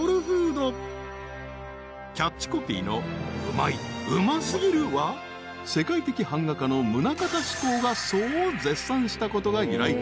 ［キャッチコピーの「うまいうますぎる」は世界的版画家の棟方志功がそう絶賛したことが由来となっている］